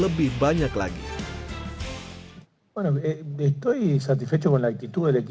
sebuah berhasil yang ingin jika orang indonesia ingin mem journalist untuktz